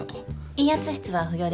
陰圧室は不要です。